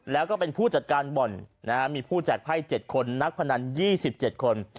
แล้วก็เป็นผู้จัดการบ่อนมีผู้แจกไพ่๗คนนักพนัน๒๗คน